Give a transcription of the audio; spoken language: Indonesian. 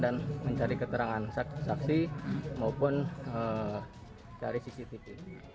dan mencari keterangan saksi maupun cari cctv